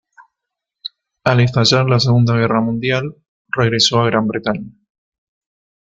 Al estallar la Segunda Guerra Mundial, regresó a Gran Bretaña.